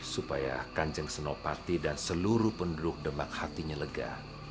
supaya kanjeng senopati dan seluruh penduduk demak hatinya lega